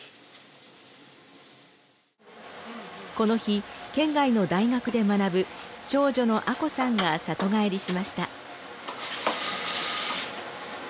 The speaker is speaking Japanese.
この日県外の大学で学ぶ長女の亜子さんが里帰りしました。